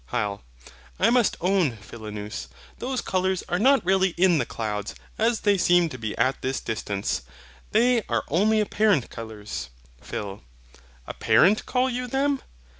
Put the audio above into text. HYL. I must own, Philonous, those colours are not really in the clouds as they seem to be at this distance. They are only apparent colours. PHIL. APPARENT call you them?